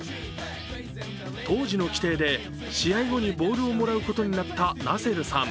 当時の規定で試合後にボールをもらうことになったナセルさん。